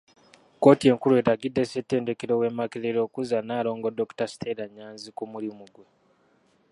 Kkooti enkulu eragidde Ssettendekero w'e Makerere okuzza Nalongo Dokita Stella Nnyanzi ku mulimu gwe.